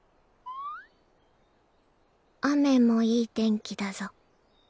雨もいい天気だぞ。